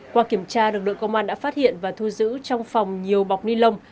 qua kiểm tra lực lượng công an đã phát hiện và thu giữ trong phòng nhiều bọc ni lông